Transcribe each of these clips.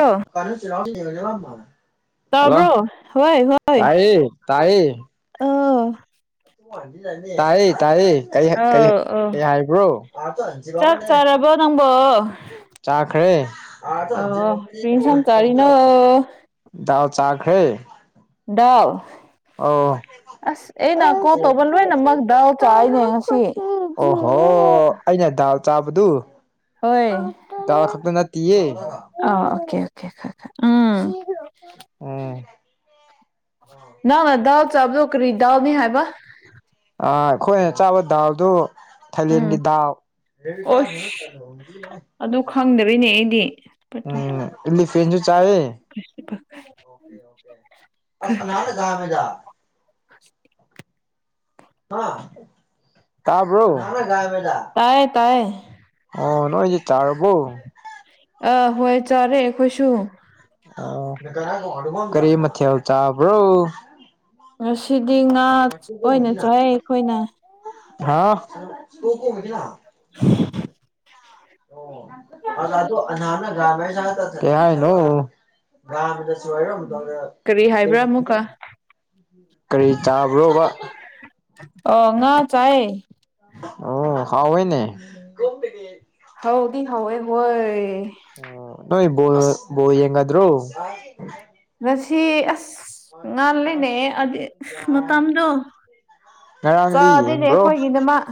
ꯑꯣ ꯀꯅꯤ ꯆꯤꯔꯥꯎ ꯇꯕ꯭ꯔꯣ ꯍꯣꯏ ꯍꯣꯏ ꯇꯥꯏꯌꯦ ꯑ ꯇꯥꯏ ꯇꯥꯏ ꯀ ꯀꯔꯤ ꯑꯧ ꯍꯥꯏꯕ꯭ꯔꯣ ꯏꯕ ꯅꯝꯕ ꯆꯥꯈ꯭ꯔꯦ ꯑ ꯀꯔꯤꯁꯪ ꯀꯥꯔꯤꯅ ꯗꯥꯜ ꯆꯥꯈꯩ ꯗꯥꯜ ꯑꯥꯁ ꯑꯩꯅ ꯀꯣꯜ ꯇꯧꯕ ꯂꯣꯏꯅꯃꯛ ꯗꯥꯜ ꯀꯥꯏꯅꯦ ꯉꯁꯤ ꯑꯣꯍꯣ ꯑꯩꯅ ꯗꯥꯜ ꯆꯥꯕꯗꯨ ꯍꯣꯏ ꯇꯋꯥ ꯈꯥꯛ ꯅ ꯇꯌꯦ ꯑ ꯑꯣꯀꯦ ꯑꯣꯀꯦ ꯎꯝ ꯎꯝ ꯅꯪ ꯅ ꯗꯥꯜ ꯆꯥꯕꯗꯣ ꯀꯔꯤ ꯗꯥꯜꯅꯤ ꯍꯥꯏꯕ ꯑꯥ ꯑꯩꯈꯣꯏꯅ ꯆꯥꯕ ꯗꯥꯜꯗꯨ ꯊꯥꯏꯂꯤꯦꯟꯒꯤ ꯎꯝ ꯗꯥꯎ ꯑꯣꯁ ꯑꯗꯨ ꯈꯪꯗꯔꯤꯅꯦ ꯑꯩꯗꯤ ꯎꯝ ꯏꯂꯤꯐꯦꯟꯁꯨꯨ ꯆꯥꯋꯦ ꯀꯄ ꯑꯁ ꯑꯅꯗ ꯗꯃꯤꯗ ꯀꯥꯕ꯭ꯔꯣꯦꯗꯥ ꯇꯥꯏꯌꯦ ꯇꯥꯏꯌꯦ ꯑꯣ ꯅꯣꯏꯦ ꯆꯥꯔꯕꯣ ꯑ ꯍꯣꯏ ꯆꯥꯔꯦ ꯑꯩꯈꯣꯏꯁꯨ ꯑ ꯀꯔꯤ ꯃꯊ ꯍꯧ ꯆꯥꯕ꯭ꯔꯣ ꯉꯁꯤꯗꯤ ꯉꯥ ꯑꯣꯏꯅ ꯆꯥꯏ ꯑꯩꯈꯣꯏꯅ ꯍꯥ ꯑꯣ ꯑ ꯑꯗꯨꯣ ꯅꯍꯅ ꯭ꯔꯃꯦꯁ ꯀꯅꯁꯨ ꯀꯔꯤ ꯍꯥꯏꯕ꯭ꯔꯥ ꯑꯃꯨꯛꯀ ꯀꯔꯤ ꯆꯥꯕ꯭ꯔꯣꯕ ꯑꯣ ꯉꯥ ꯆꯥꯏ ꯑꯣ ꯍꯋꯦꯅꯦ ꯀꯣꯛꯇꯚꯤ ꯍꯥꯎꯗꯤ ꯍꯣꯏ ꯍꯣꯏ ꯑꯣ ꯅꯣꯏꯣꯏ ꯣ ꯣ ꯌꯦꯡꯗ꯭ꯔꯣ ꯉꯁꯤ ꯑꯁ ꯉꯥꯂꯦꯅꯦ ꯃꯇꯝꯗꯣ ꯉꯔꯥꯡꯗꯤ ꯆꯥꯗꯦꯅꯦ ꯌꯦꯡꯕ꯭ꯔꯣ ꯑꯩꯈꯣꯏꯒꯤꯗꯃꯛ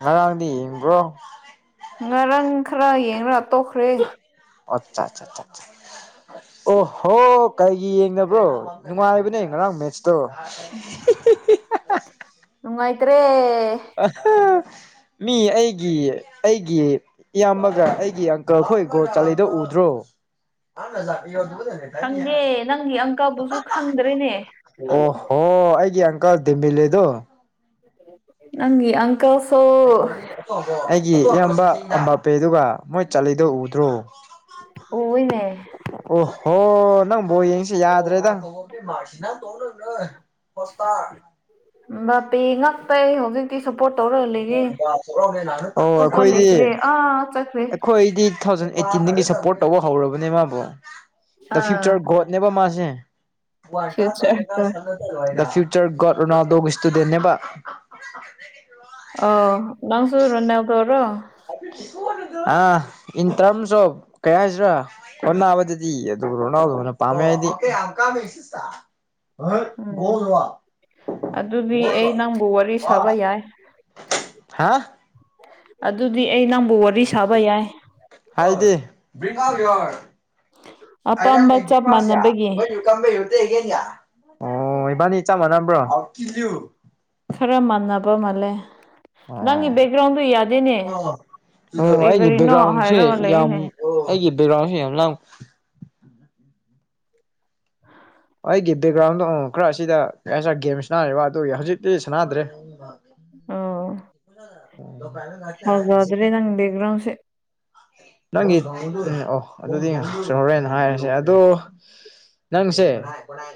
ꯉꯔꯥꯡꯗꯤ ꯍꯤꯡꯕ꯭ꯔꯣ ꯉꯔꯥꯡ ꯈꯔ ꯌꯦꯡ ꯇꯣꯛꯈ꯭ꯔꯦ ꯑꯆꯥ ꯑꯆꯥ ꯑꯣ ꯍꯣ ꯀꯩꯒꯤ ꯌꯦꯡꯗꯕ꯭ꯔꯣ ꯅꯨꯡꯉꯥꯏꯕꯅꯦ ꯉꯔꯥꯡ ꯃꯦꯠꯁꯇꯣ ꯅꯥꯏꯇ꯭ꯔꯦ ꯑ ꯃꯤ ꯑꯩꯒꯤ ꯑꯩꯒꯤ ꯏꯌꯥꯝꯕꯒ ꯑꯩꯒꯤ ꯑꯪꯀꯜ ꯍꯣꯏ ꯒꯣꯜ ꯆꯜꯂꯤꯗꯣ ꯎꯗ꯭ꯔꯣ ꯈꯪꯗꯦ ꯅꯪꯒꯤ ꯑꯪꯀꯜꯕꯨꯁꯨ ꯈꯪꯗ꯭ꯔꯦꯅꯦ ꯑꯣ ꯍꯣ ꯑꯩꯒꯤ ꯑꯪ ꯀꯜ ꯗꯦꯃꯦꯂ° ꯗꯣ [inaudible] ꯅꯪꯪꯒꯤ ꯑꯪ ꯀꯜ ꯁꯨ ꯑꯩꯒꯤ ꯏꯌꯥꯝꯕ ꯃꯄꯦꯗꯨꯒ ꯃꯣꯏ ꯆꯜꯂꯤꯗꯣ ꯎꯗ꯭ꯔꯣ ꯎꯋꯦꯅꯦ ꯑꯣ ꯍꯣ ꯅꯪ ꯕꯣꯜ ꯌꯦꯡꯁꯤ ꯌꯥꯗ꯭ꯔꯦꯗ [inaudible] ꯃꯄꯤ ꯉꯥꯛꯇꯩ ꯍꯧꯖꯤꯛ ꯁꯨꯄꯣꯔꯠ ꯇꯧꯔ ꯑꯣ ꯑꯩꯈꯣꯏꯗꯤ ꯂꯩꯇ꯭ꯔꯦ ꯑꯥ ꯆꯠꯈ꯭ꯔꯦ ꯑꯩꯈꯣꯏꯗꯤ ꯇꯨ ꯊꯥꯎꯖꯟ ꯑꯦꯠꯇꯤꯟꯗꯒꯤ ꯁꯄꯣꯔꯠ ꯇꯧꯕ ꯍꯧꯔꯕꯅꯦ ꯃꯥꯕꯨ ꯗ ꯑꯥ ꯐ꯭ꯌꯨꯆꯔ ꯒꯣꯗ ꯅꯦꯕ ꯃꯥꯁꯦ ꯐ꯭ꯌꯨꯆꯔꯒ ꯗ ꯐ꯭ꯌꯨꯆꯔ ꯒꯣꯗ ꯔꯣꯅꯥꯜꯗꯣꯒꯤ ꯁ꯭ꯇꯨꯗꯦꯟ ꯅꯦꯕ [inaudible] ꯑꯣ ꯅꯪꯁꯨ ꯔꯣꯅꯥꯜꯗꯣꯔꯣ ꯑꯥ ꯏꯟ ꯇ꯭ꯔꯝꯁ ꯑꯣꯐ ꯀꯩ ꯍꯥꯏꯁꯤꯔꯥ ꯑꯣꯅꯕꯗꯗꯤ ꯑꯗꯨ ꯔꯣꯅꯥꯜꯗꯣꯅ ꯄꯥꯝꯃꯦ ꯑꯩꯗꯤ ꯎꯝ ꯑꯗꯨꯗꯤ ꯑꯩ ꯅꯪꯕꯨ ꯋꯥꯔꯤ ꯁꯥꯕ ꯌꯥꯏ [unintelligible] ꯍꯥ ꯑꯗꯨꯗꯤ ꯑꯩ ꯅꯪꯕꯨ ꯋꯥ ꯍꯥꯏꯗꯤ [unintelligible] ꯑꯄꯥꯝꯕ ꯆꯞ ꯃꯥꯟꯅꯕꯒꯤ ꯑꯣ ꯏꯕꯥꯟꯅꯤ ꯆꯞ ꯃꯥꯟꯅꯕ꯭ꯔꯣ ꯈꯔ ꯃꯥꯟꯅꯕ ꯃꯥꯜꯂꯦ ꯅꯪꯒꯤ ꯑꯣ ꯕꯦꯛꯒ꯭ꯔꯥꯎꯟꯗꯣ ꯌꯥꯗꯦꯅꯦ ꯀꯔꯤ ꯀꯔꯤꯅꯣ ꯍꯥꯏꯔꯒ ꯂꯩꯑꯦꯅꯦ ꯑꯣ ꯑꯩꯒꯤ ꯕꯦꯔꯥꯎꯟꯁꯨ ꯌꯥꯝ ꯂꯥꯉ ꯑꯩꯒꯤ ꯕꯦꯛꯒ꯭ꯔꯥꯎꯟꯁꯦ ꯑꯃꯨꯛ ꯈꯔ ꯑꯁꯤꯗ ꯉꯁꯥꯏ ꯒꯦꯝ ꯁꯅꯥꯔꯤꯕ ꯑꯗꯨꯒꯤ ꯍꯧꯖꯤꯛꯇꯤ ꯁꯥꯟꯅꯗ꯭ꯔꯦ ꯑꯣ [unintelligible] ꯐꯖꯗ꯭ꯔꯦ ꯅꯪ ꯕꯦꯛꯒ꯭ꯔꯥꯎꯟ ꯁꯦ ꯅꯪꯒꯤ ꯎꯝ ꯑꯣ ꯑꯗꯨꯗꯤ ꯍꯧꯔꯦꯅ ꯍꯥꯏꯔꯁꯦ ꯑꯗꯣ ꯅꯪꯁꯦ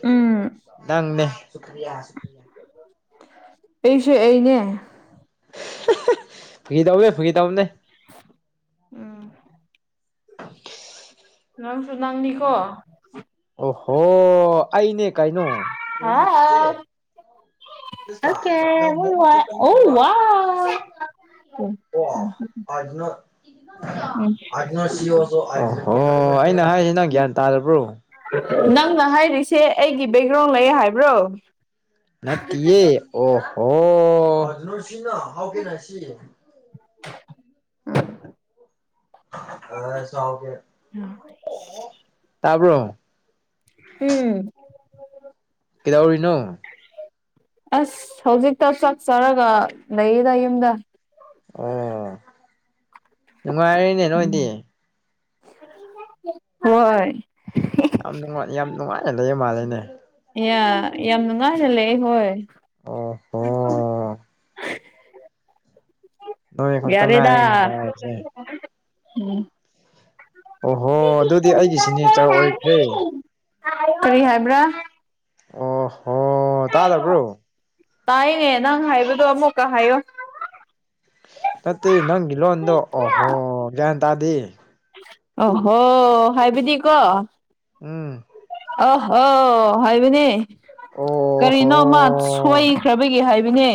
ꯎꯝ ꯅꯪꯅꯦ ꯑꯩꯁꯦ ꯑꯩꯅꯦ ꯐꯥꯒꯤ ꯇꯧꯕꯅꯦ ꯐꯥꯒꯤ ꯇꯧꯕꯅꯦ ꯎꯝ ꯅꯪꯁꯨ ꯅꯪꯅꯤꯀꯣ ꯑꯣꯍꯣ ꯑꯩꯅꯦ ꯀꯩꯅꯣ ꯍꯥ ꯑꯣꯀꯦ [unintelligible] ꯎ ꯋꯥꯎ [inaudible] ꯑꯣꯍꯣ ꯑꯩꯅ ꯍꯥꯏꯁꯦ ꯅꯪ ꯒ꯭ꯌꯥꯟ ꯇꯥꯗꯕ꯭ꯔꯣ ꯅꯪꯅ ꯍꯥꯏꯔꯤꯁꯦ ꯑꯩꯒꯤ ꯕꯦꯛꯒ꯭ꯔꯥꯎꯟ ꯂꯩ ꯍꯥꯏꯕ꯭ꯔꯣ ꯅꯠꯇꯤꯌꯦ ꯑꯣꯍꯣ ꯇꯥꯕ꯭ꯔꯣ ꯎꯝ ꯀꯩꯗꯧꯔꯤꯅꯣ ꯑꯁ ꯍꯧꯖꯤꯛꯇ ꯆꯥꯛ ꯆꯔꯒ ꯂꯩꯌꯦꯗ ꯌꯨꯝꯗ ꯑꯣ ꯅꯨꯡꯉꯥꯏꯔꯤꯅꯦ ꯅꯣꯏꯗꯤ ꯍꯣꯏ ꯌꯥꯝ ꯅꯨꯡꯉꯥꯏ ꯌꯥꯝ ꯅꯨꯡꯉꯥꯏꯅ ꯂꯩꯌꯦ ꯃꯥꯜꯂꯅꯦ ꯌꯥ ꯌꯥꯝ ꯅꯨꯡꯉꯥꯏꯁꯤꯜꯂ ꯑꯩ ꯍꯣꯏ ꯑꯣꯍꯣ [unintelligible] ꯅꯣꯏ ꯈꯛꯇ ꯌꯥꯔꯦꯗ ꯉꯥꯏꯔꯦ ꯅꯨꯡꯉꯥꯏꯔꯤꯁꯦ ꯎꯝ ꯑꯣꯍꯣ ꯑꯗꯨꯗꯤ ꯑꯩꯒꯤ ꯁꯤꯅꯦꯆꯔ ꯑꯣꯏꯈ꯭ꯔꯦ ꯀꯔꯤ ꯍꯥꯏꯕ꯭ꯔꯥ ꯑꯣ ꯍꯣ ꯇꯥꯖꯕ꯭ꯔꯣ ꯇꯥꯏꯅꯦ ꯅꯪ ꯍꯥꯏꯕꯗꯣ ꯑꯃꯨꯛꯀ ꯍꯥꯏꯌꯨ ꯅꯠꯇꯦ ꯅꯪꯒꯤ ꯂꯣꯟꯗꯣ ꯑꯣꯍꯣ ꯒ꯭ꯌꯥꯟ ꯇꯥꯗꯦ ꯑꯣꯍꯣ ꯍꯥꯏꯕꯗꯤꯀꯣ ꯎꯝ ꯑ ꯍꯣ ꯍꯥꯏꯕꯤꯅꯦ ꯑꯣꯍꯣ ꯀꯔꯤꯅꯣ ꯃꯥ ꯁꯣꯏꯈ꯭ꯔꯕꯒꯦ ꯍꯥꯏꯕꯅꯦ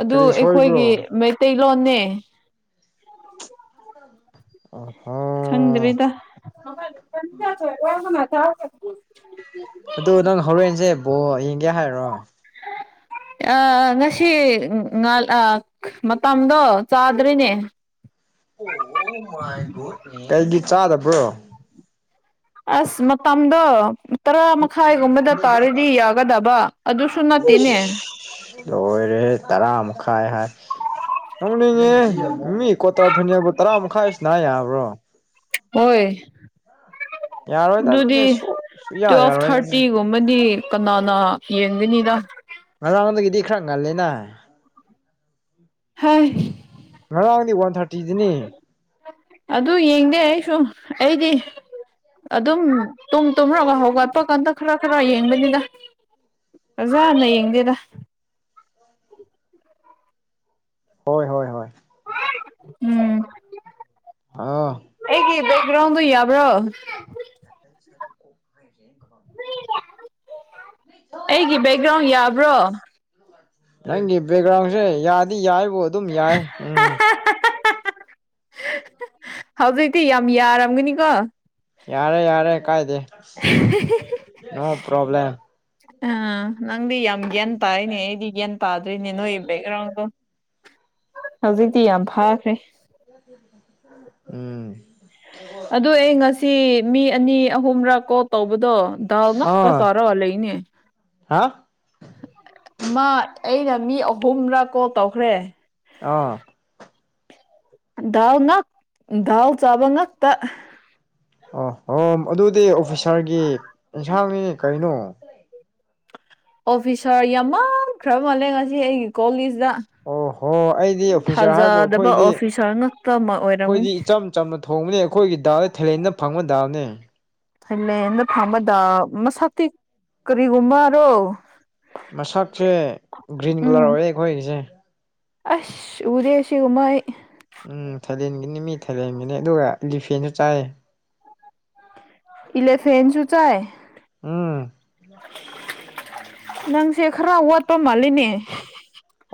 ꯑꯗꯨ ꯀꯔꯤ ꯑꯩꯈꯣꯏꯒꯤ ꯁꯣꯏꯕ꯭ꯔꯣ ꯃꯩꯇꯩꯂꯣꯟꯅꯦ ꯑꯥ ꯈꯪꯗꯕꯤꯗ ꯑꯗꯨ ꯅꯪ ꯍꯣꯔꯦꯟꯁꯦ ꯕꯣꯜ ꯌꯦꯡꯒꯦ ꯍꯥꯏꯔꯣ ꯉꯁꯤ ꯃꯇꯝꯗꯣ ꯆꯥꯗ꯭ꯔꯔꯤꯅꯦ ꯑꯣ ꯀꯩꯒꯤ ꯆꯥꯗꯕ꯭ꯔꯣ ꯑꯁ ꯃꯇꯝꯗꯣ ꯇꯔꯥ ꯃꯈꯥꯏꯒꯨꯝꯕꯗ ꯇꯥꯔꯗꯤ ꯌꯥꯒꯗꯕ ꯑꯗꯨꯁꯨ ꯅꯠꯇꯦꯅꯦ ꯂꯣꯏꯔꯦ ꯇꯔꯥ ꯃꯈꯥꯏ ꯍꯥꯏ ꯅꯧꯅꯤꯡꯉꯦ ꯃꯤ ꯀꯣꯠꯇ꯭ꯔꯥ ꯐꯅꯦꯛꯕꯨ ꯇꯔꯥ ꯃꯈꯥꯏꯁꯤꯅ ꯌꯥꯕ꯭ꯔꯣ ꯍꯣꯏ ꯌꯥꯔꯣꯏꯗ ꯑꯗꯨꯗꯤ ꯁꯨ ꯁꯨꯌꯥ ꯇꯨꯋꯦꯜ ꯌꯥꯔꯣꯏꯗ ꯊꯥꯔꯇꯤ ꯑꯃꯗꯤ ꯀꯅꯥꯅ ꯌꯦꯡꯒꯅꯤꯗ ꯉꯔꯥꯡꯣꯟꯗꯒꯤꯗꯤ ꯈꯔ ꯉꯜꯂꯤꯅ ꯍꯥꯏ ꯉꯔꯥꯡꯗꯤ ꯋꯥꯟ ꯊꯥꯇꯤ ꯑꯗꯨ ꯌꯦꯡꯗꯦ ꯑꯩꯁꯨ ꯑꯩꯗꯤ ꯑꯗꯨꯝ ꯇꯨꯡ ꯇꯨꯝꯔꯒ ꯍꯧꯒꯠꯄ ꯀꯥꯟꯗ ꯈꯔ ꯈꯔ ꯌꯦꯡꯕꯅꯤꯗ ꯑꯣꯖꯥ ꯍꯥꯟꯅ ꯌꯦꯡꯗꯦꯔ ꯍꯣꯏ ꯍꯣꯏ ꯍꯣꯏ ꯎꯝ ꯑꯥ ꯑꯩꯒꯤ ꯕꯦꯛꯒ꯭ꯔꯥꯎꯟꯗꯣ ꯌꯥꯕ꯭ꯔꯣ [unintelligible] [inaudible] ꯑꯩꯒꯤ ꯕꯦꯛꯒ꯭ꯔꯥꯎꯟ ꯌꯥꯕ꯭ꯔꯣ ꯅꯪꯒꯤ ꯕꯦꯛꯒ꯭ꯔꯥꯎꯟꯁꯦ ꯌꯥꯗꯤ ꯌꯥꯏꯕꯨ ꯑꯗꯨꯝ ꯌꯥꯏ ꯎꯝ [unintelligible] ꯍꯧꯖꯤꯛꯇꯤ ꯌꯥꯝ ꯌꯥꯔꯝꯒꯅꯤꯀꯣ ꯌꯥꯔꯦ ꯌꯥꯔꯦ ꯀꯥꯏꯗꯦ ꯅꯣ ꯄ꯭ꯔꯣꯕ꯭ꯂꯦꯝꯂꯦꯝ ꯑ ꯅꯪꯗꯤ ꯌꯥꯝ ꯒꯦꯟ ꯇꯥꯏꯅꯦ ꯑꯩꯗꯤ ꯒꯦꯟ ꯄꯥꯗ꯭ꯔꯔꯤ ꯕꯦꯛꯒ꯭ꯔꯥꯎꯟꯗꯣ ꯍꯧꯖꯤꯛꯇꯤ ꯌꯥꯝ ꯐꯥꯈ꯭ꯔꯦ ꯎꯝ ꯑꯗꯨ ꯑꯩ ꯉꯁꯤ ꯃꯤ ꯑꯅꯤ ꯑꯍꯨꯝꯔꯛ ꯀꯣ ꯇꯧꯕꯗꯣ ꯇꯥꯜ ꯉꯥꯛ ꯇ ꯑꯥ ꯆꯔꯒ ꯂꯩꯅꯦ ꯍꯥ ꯃꯥ ꯑꯩꯅ ꯃꯤ ꯑꯍꯨꯝꯗꯥ ꯀꯣꯜ ꯇꯧꯈ꯭ꯔꯦ ꯑꯥ ꯗꯜꯉꯥꯛ ꯗꯜ ꯆꯥꯕ ꯉꯥꯛꯇ ꯑꯣ ꯑꯣ ꯑꯗꯨꯗꯤ ꯑꯣꯐꯤꯁꯥꯔꯒꯤ ꯑꯦꯟꯁꯥꯡꯅꯤ ꯀꯩꯅꯣ ꯑꯣꯐꯤꯁꯥꯔ ꯌꯥꯝ ꯃꯥꯟꯈ꯭ꯔ ꯃꯥꯜꯂꯦ ꯉꯁꯤ ꯑꯩꯒꯤ ꯀꯣꯂꯦꯖꯇ ꯑꯣ ꯍꯣ ꯑꯩꯗꯤ ꯑꯣꯐꯤꯁꯥꯔ ꯍꯥꯏꯕꯨ ꯊꯥꯖꯗꯕ ꯑꯩꯈꯣꯏꯗꯤ ꯑꯣꯐꯤꯁꯥꯔ ꯉꯥꯛꯇꯃꯛ ꯑꯩꯈꯣꯏꯗꯤ ꯑꯣꯏꯔꯝꯒꯅꯤ ꯏꯆꯝ ꯆꯝꯅ ꯊꯣꯡꯕꯅꯦ ꯑꯩꯈꯣꯏꯒꯤ ꯗꯥꯜꯗ ꯊꯥꯂꯦꯟꯘ ꯐꯪꯕ ꯗꯥꯜꯅꯦ ꯊꯥꯏꯂꯦꯟꯗ ꯐꯝꯕꯗ ꯃꯁꯛꯇꯤ ꯀꯔꯤꯒꯨꯝꯕꯔꯣ ꯃꯁꯛꯁꯦ ꯒ꯭ꯔꯤꯟ ꯀꯂꯔ ꯎꯝ ꯑꯣꯏꯌꯦꯦꯑꯩꯈꯣꯏꯒꯤꯁꯦ ꯑꯁ ꯎꯗꯦ ꯁꯤꯒꯃꯥꯏ ꯎꯝ ꯊꯥꯂꯦꯟꯒꯤꯅꯤ ꯃꯤ ꯊꯥꯏꯂꯦꯟꯒꯤꯅꯤ ꯑꯗꯨꯒ ꯏꯂꯤꯐꯦꯟꯁꯨ ꯆꯥꯏꯑ ꯏꯂꯤꯐꯦꯟꯁꯨ ꯆꯥꯏ ꯎꯝ ꯅꯪꯁꯦ ꯈꯔ ꯋꯥꯠꯄ ꯃꯥꯜꯂꯤꯅꯦ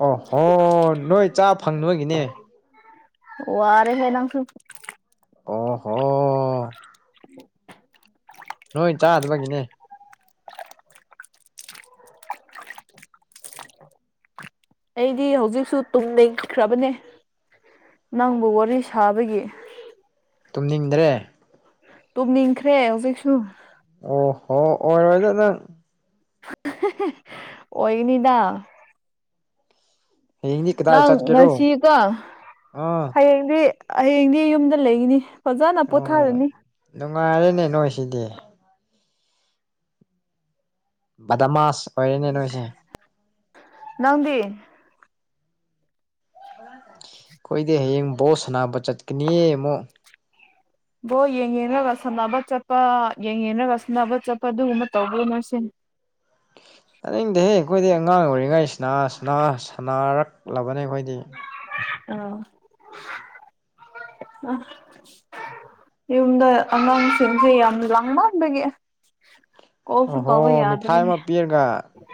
ꯑꯣꯍꯣꯏ ꯅꯣꯏ ꯆꯥ ꯐꯪꯗꯕꯒꯤꯅꯦ ꯋꯥꯔꯦ ꯍꯦ ꯅꯪꯁꯨ ꯑꯣꯍꯣ ꯅꯣꯏ ꯆꯥꯗꯕꯒꯤꯅꯦ ꯑꯩꯗꯤ ꯍꯧꯖꯤꯛꯁꯨ ꯇꯨꯝ ꯂꯩꯈ꯭ꯔꯕꯅꯦ ꯅꯪꯕꯨ ꯋꯥꯔꯤ ꯁꯥꯕꯒꯤ ꯇꯨꯝꯅꯤꯡꯗ꯭ꯔꯦ ꯇꯨꯝꯅꯤꯡꯈ꯭ꯔꯦ ꯍꯧꯖꯤꯛꯁꯨ ꯑꯣ ꯍꯣ ꯑꯣꯏ ꯍꯣꯏꯗꯗ ꯑꯣꯏꯒꯅꯤꯗ ꯍꯌꯦꯡꯗꯤ ꯀꯗꯥꯏ ꯅꯪ ꯆꯠꯀꯦꯔꯣ ꯉꯁꯤꯀꯣ ꯑꯥ ꯍꯌꯦꯡꯗꯤ ꯍꯌꯦꯡꯗꯤ ꯌꯨꯝꯗ ꯂꯩꯒꯅꯤ ꯐꯖꯅ ꯑꯣ ꯄꯣꯊꯥꯔꯅꯤ ꯅꯨꯡꯉꯥꯏꯔꯦꯅꯦ ꯅꯣꯏꯁꯤꯗꯤ ꯗꯃꯁ ꯑꯣꯏꯔꯦꯅꯦ ꯂꯣꯏꯁꯦ ꯅꯪꯗꯤ ꯑꯀꯣꯏꯗꯤ ꯍꯌꯦꯡ ꯕꯣꯁ ꯁꯥꯅꯕ ꯆꯠꯀꯅꯤꯌꯦ ꯑꯃꯨꯛ ꯕꯣ ꯌꯦꯡꯉꯔꯒ ꯁꯥꯟꯅꯕ ꯆꯠꯄ ꯌꯦꯡꯉꯔꯒ ꯁꯅꯕ ꯆꯠꯄ ꯑꯗꯨꯒꯨꯝꯕ ꯇꯧꯕꯤꯣꯏ ꯅꯣꯏ ꯁꯤꯅꯤ ꯇꯅꯤꯡꯗꯦꯍꯦ ꯑꯩꯈꯣꯏꯗꯤ ꯑꯉꯥꯡ ꯑꯣꯏꯔꯤꯉꯩ ꯁꯅ- ꯁꯅ- ꯁꯅꯔꯛꯂꯕꯅꯦ ꯑꯩꯈꯣꯏꯗꯤ ꯑ ꯑꯥ ꯌꯨꯝꯗ ꯑꯥꯡꯁꯤꯡꯁꯤ ꯌꯥꯝ ꯂꯥꯡꯃꯕꯒꯤ ꯑꯣꯍꯣ ꯃꯤꯊꯥꯏ ꯑꯃ ꯄꯤꯔꯒ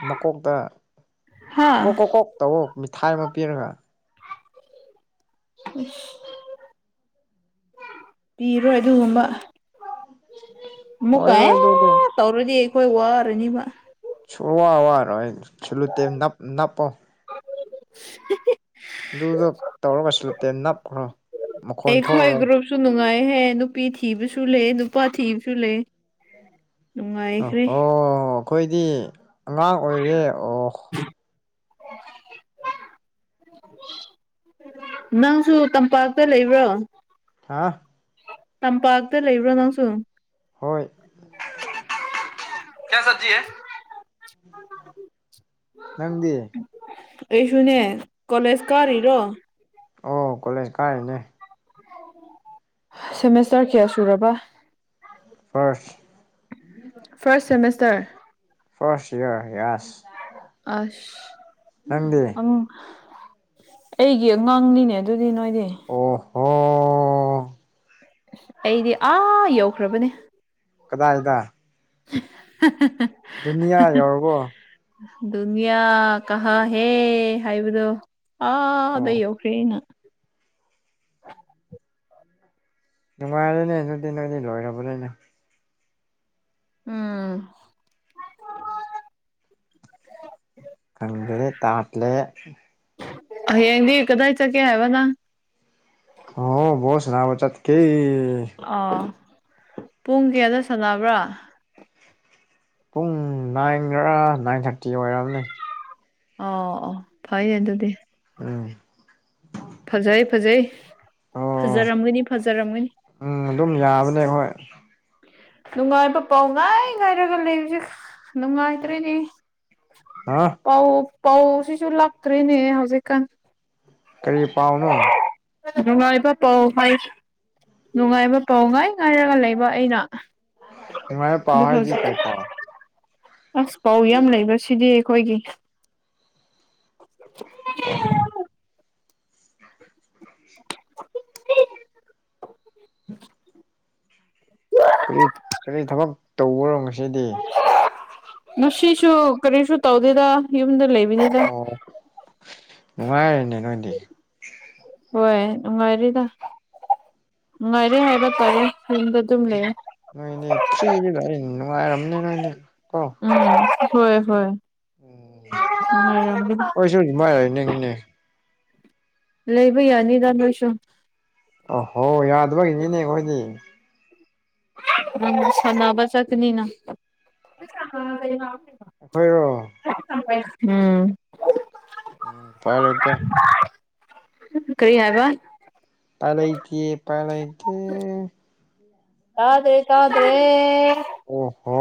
ꯃꯀꯣꯛꯇ ꯍꯥ ꯀꯣꯛ ꯀꯣꯛ ꯀꯣꯛ ꯇ ꯃꯤꯊꯥꯏ ꯑꯃ ꯄꯤꯔꯒ ꯎ ꯄꯤꯔꯣꯏ ꯑꯗꯨꯒꯨꯝꯕ ꯑꯃꯨꯛꯀ ꯍ ꯑꯣꯏꯔꯣꯏ ꯑꯗꯨꯗꯤ ꯇꯧꯔꯗꯤ ꯑꯩꯈꯣꯏ ꯋꯥꯔꯅꯤꯕ ꯁ ꯋꯥ ꯋꯥꯔꯣꯏ ꯁꯜꯂꯨꯇꯦꯝ ꯅꯞ ꯅꯞꯄꯣ inaudible ꯑꯗꯨꯗꯣ ꯇꯧꯔꯒꯁꯨ ꯂꯩꯠꯇꯦ ꯅꯞꯈ꯭ꯔꯣ ꯃꯈꯣꯟ ꯊꯣꯛꯑꯔꯣꯏ ꯁꯨ ꯅꯨꯡꯉꯥꯏꯍꯦ ꯅꯨꯄꯤ ꯊꯤꯕꯁꯨ ꯂꯩ ꯅꯨꯄꯥ ꯊꯤꯕꯁꯨ ꯂꯩ ꯑꯣ ꯅꯨꯡꯉꯥꯏꯈ꯭ꯔꯦ ꯍꯣ ꯑꯩꯈꯣꯏꯗꯤ ꯑꯉꯥꯡ ꯑꯣꯏꯔꯤꯌꯦ ꯑꯣ [unintelligible] ꯅꯪꯁꯨ ꯇꯝꯄꯥꯛꯇ ꯂꯩꯕ꯭ꯔꯣ ꯍꯥꯥ ꯇꯝꯄꯥꯛꯇ ꯂꯩꯕ꯭ꯔꯣ ꯅꯪꯁꯨꯨꯝ ꯍꯣꯏ ꯀꯌꯥ ꯁꯖꯤꯤꯦ ꯅꯪꯗꯤ ꯑꯩꯁꯨꯅꯦ ꯀꯣꯂꯦꯖ ꯀꯥꯔꯤꯔꯣ ꯑꯣ ꯀꯣꯂꯦꯖ ꯀꯥꯔꯤꯅꯦ ꯁꯦꯃꯦꯁꯇꯔ ꯀꯌꯥ ꯁꯨꯔꯕ first first semester first year yes ꯑꯁ ꯑꯪ ꯑꯩꯒꯤ ꯑꯉꯥꯡꯅꯤꯅꯦ ꯑꯗꯨꯗꯤ ꯅꯣꯏꯗꯤ ꯑꯣꯍꯣ ꯑꯩꯗꯤ ꯑꯥ ꯌꯧꯈ꯭ꯔꯕꯅꯦ ꯀꯗꯥꯏꯗ [unintelligible] ꯗꯨꯅꯤꯌꯥ ꯌꯧꯔꯕꯣ ꯗꯨꯅꯤꯌꯥ ꯀꯍꯥ ꯍꯦ ꯍꯥꯏꯕꯗꯣ ꯑꯥꯗ ꯑꯣ ꯌꯧ ꯀ꯭ꯔꯦꯅ ꯅꯨꯡꯉꯥꯏꯔꯦꯅꯦ ꯑꯗꯨꯗꯤ ꯅꯣꯏꯗꯤ ꯂꯣꯏꯔꯕꯅꯤꯅ ꯎꯝ ꯈꯪꯗꯔꯦ ꯇꯥꯠꯂꯦ ꯍꯌꯦꯡꯗꯤ ꯀꯗꯥꯏ ꯆꯦꯠꯀꯦ ꯍꯥꯏꯕ ꯅꯪ ꯑꯍꯣ ꯕꯣꯜ ꯁꯥꯟꯅꯕ ꯆꯠꯀꯦ ꯑꯥ ꯄꯨꯡ ꯀꯌꯥꯗ ꯁꯥꯅꯕ꯭ꯔꯥ ꯄꯨꯡ ꯅꯥꯏꯟꯒꯔꯥ ꯅꯥꯏꯟ ꯊꯥꯔꯇꯤ ꯑꯣꯏꯔꯝꯅꯤ ꯑꯣ ꯑꯣ ꯐꯩꯌꯦ ꯑꯗꯨꯗꯤ ꯎꯝ ꯐꯖꯩ ꯐꯖꯩ ꯑꯣ ꯐꯖꯔꯝꯒꯅꯤ ꯐꯖꯔꯝꯒꯅꯤ ꯎꯝ ꯑꯗꯨꯝ ꯌꯥꯕꯅꯦ ꯍꯣꯏ ꯅꯨꯡꯉꯥꯏꯕ ꯄꯥꯎ ꯉꯥꯏ ꯉꯥꯏꯔꯒ ꯂꯩꯕꯖꯤꯛ ꯅꯨꯡꯉꯥꯏꯇ꯭ꯔꯦꯅꯦ ꯍꯥ ꯄꯧ ꯄꯧ ꯁꯤꯁꯨ ꯂꯛꯇ꯭ꯔ‌ꯦꯅꯦ ꯍꯧꯖꯤꯛꯀꯥꯟ ꯀꯔꯤ ꯄꯥꯎꯅꯣ ꯅꯨꯡꯉꯥꯏꯕ ꯄꯧ ꯍꯥꯏ ꯅꯨꯡꯉꯥꯏꯕ ꯄꯥꯎ ꯉꯥꯏ ꯉꯥꯏꯔꯒ ꯂꯩꯕ ꯑꯩꯅ ꯅꯨꯡꯉꯥꯏꯕ ꯄꯥꯎ ꯑꯗꯨ ꯍꯥꯏꯗꯤ ꯍꯧꯖꯤꯛ ꯀꯩ ꯄꯥꯎ ꯑꯁ ꯄꯥꯎ ꯌꯥꯝ ꯂꯩꯕ ꯁꯤꯗꯤ ꯑꯩꯈꯣꯏꯒꯤ ꯑꯣ [unintelligible] [unintelligible] ꯀꯔꯤꯠ ꯀꯔꯤ ꯊꯕꯛ ꯇꯧꯕ꯭ꯔꯣ ꯉꯁꯤꯗꯤ ꯉꯁꯤꯁꯨ ꯀꯔꯤꯁꯨ ꯇꯧꯗꯦꯗ ꯌꯨꯝꯗ ꯂꯩꯕꯤꯅꯤ ꯑꯣ ꯅꯨꯡꯉꯥꯏꯔꯦꯅꯦ ꯅꯣꯏꯗꯤ ꯍꯣꯏ ꯅꯨꯡꯉꯥꯏꯔꯦꯗ ꯅꯨꯡꯉꯥꯏꯔꯦ ꯍꯥꯏꯕ ꯇꯥꯔꯦ ꯌꯨꯝꯗ ꯑꯗꯨꯝ ꯂꯩꯔꯦ ꯅꯣꯏꯅꯤ ꯐ꯭ꯔꯤꯗ ꯂꯩꯔꯦ ꯅꯨꯡꯉꯥꯏꯔꯝꯅꯤ ꯅꯣꯏꯅꯤ ꯀꯣ ꯎꯝ ꯍꯣꯏ ꯍꯣꯏ ꯅꯨꯡꯉꯥꯏꯔꯝꯒꯅꯤ ꯃꯥꯏ ꯑꯣꯏ ꯅꯤꯡꯉꯤꯅ° ꯂꯩꯕ ꯌꯥꯅꯤꯗ ꯅꯣꯏꯁꯨ ꯑꯣꯍꯣ ꯌꯥꯗꯕꯒꯤꯅꯤꯅꯦ ꯑꯩꯈꯣꯏꯗꯤ ꯎꯝ ꯁꯥꯅꯕ ꯆꯠꯀꯅꯤꯅ ꯑꯩꯈꯣꯏꯔꯣ ꯎꯝ ꯎꯄꯥꯏ ꯂꯩꯇꯦ ꯀꯔꯤ ꯍꯥꯏꯕ ꯎꯄꯥꯏ ꯂꯩꯇꯤꯌꯦ ꯎꯄꯥꯏ ꯂꯩꯇꯦ ꯇꯥꯗ꯭ꯔꯦ ꯇꯥꯗ꯭ꯔꯦ ꯑꯣ ꯍꯣ